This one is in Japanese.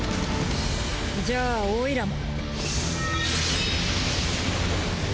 じゃあオイラも。